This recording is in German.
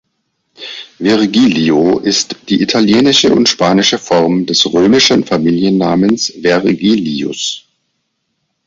Virgilio ist die italienische und spanische Form des römischen Familiennamens "Vergilius".